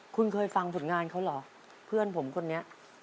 คุณเคยฟังผลงานเขาเหรอเพื่อนผมคนนี้